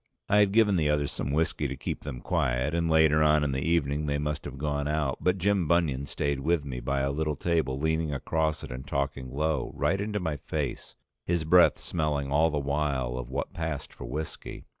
I had given the others some whiskey to keep them quiet, and later on in the evening they must have gone out, but Jim Bunion stayed with me by a little table leaning across it and talking low, right into my face, his breath smelling all the while of what passed for whiskey.